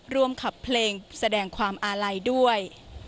ร่วมขับเพลงแสดงความอาลัยด้วย